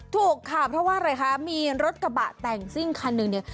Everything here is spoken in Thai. ถูกค่ะเพราะว่าอะไรคะมีรถกระบะแต่งซิ่งคันหนึ่งเนี่ย